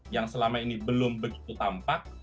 yang selama ini belum begitu tampak